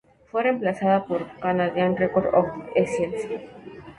Fue reemplazada por "Canadian Record of Science".